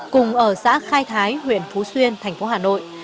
cùng ở xã khai thái huyện phú xuyên thành phố hà nội